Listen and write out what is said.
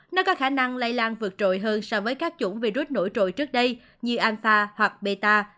nó có khả năng lây lan vượt trội hơn so với các chủng virus nổi trội trước đây như anfa hoặc beta